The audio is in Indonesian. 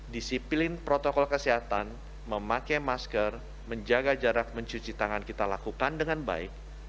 disiplin protokol kesehatan memakai masker menjaga jarak mencuci tangan kita lakukan dengan baik